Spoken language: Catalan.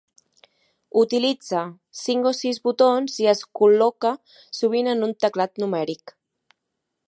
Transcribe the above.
Utilitza cinc o sis botons i es col·loca sovint en un teclat numèric.